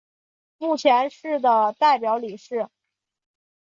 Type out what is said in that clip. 目前是的代表理事。